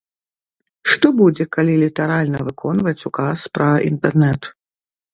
Што будзе, калі літаральна выконваць указ пра інтэрнэт?